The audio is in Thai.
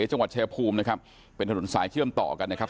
จังหวัดชายภูมินะครับเป็นถนนสายเชื่อมต่อกันนะครับ